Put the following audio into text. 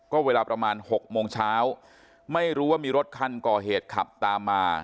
ก็เวลาประมาณ๖โมงเช้าไม่รู้ว่ามีรถคันก่อเหตุขับตามมา